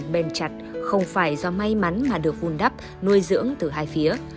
ông bình bền chặt không phải do may mắn mà được vùn đắp nuôi dưỡng từ hai phía